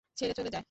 ছেড়ে চলে যায়।